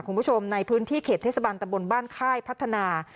คุณผู้ชมในพื้นที่เขตเทศบันตะบนบ้านค่ายพัฒนา